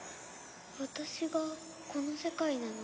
私がこの世界なの？